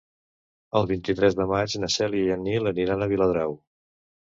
El vint-i-tres de maig na Cèlia i en Nil aniran a Viladrau.